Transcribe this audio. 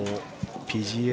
ＰＧＡ